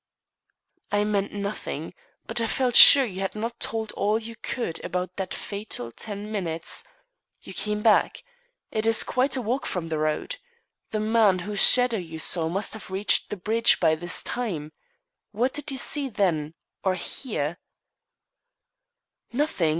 "I meant nothing; but I felt sure you had not told all you could about that fatal ten minutes. You came back. It is quite a walk from the road. The man whose shadow you saw must have reached the bridge by this time. What did you see then or hear?" "Nothing.